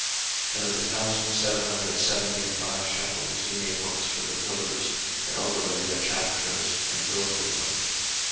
02:038:028 And of the thousand seven hundred seventy and five shekels he made hooks for the pillars, and overlaid their chapiters, and filleted them.